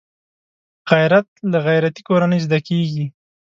غیرت له غیرتي کورنۍ زده کېږي